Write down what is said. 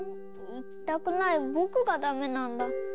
いきたくないぼくがだめなんだ。